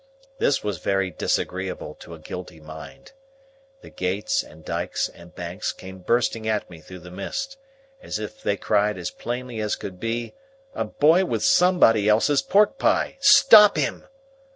This was very disagreeable to a guilty mind. The gates and dikes and banks came bursting at me through the mist, as if they cried as plainly as could be, "A boy with somebody else's pork pie! Stop him!"